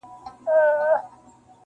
د خوني کونج کي یو نغری دی پکښي اور بلیږي-